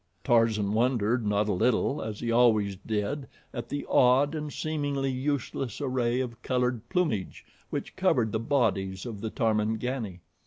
Tarzan wondered not a little, as he always did, at the odd and seemingly useless array of colored plumage which covered the bodies of the Tarmangani.